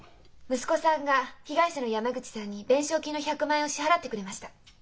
息子さんが被害者の山口さんに弁償金の１００万円を支払ってくれました。